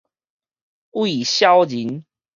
畏小人